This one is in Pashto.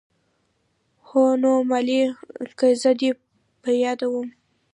هو نو مالې که زه دې په ياده وم.